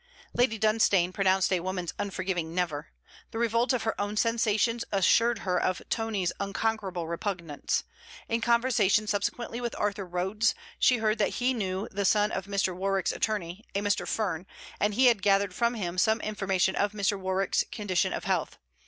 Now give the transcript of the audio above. Lady Dunstane pronounced a woman's unforgiving: 'Never.' The revolt of her own sensations assured her of Tony's unconquerable repugnance. In conversation subsequently with Arthur Rhodes, she heard that he knew the son of Mr. Warwick's attorney, a Mr. Fern; and he had gathered from him some information of Mr. Warwick's condition of health.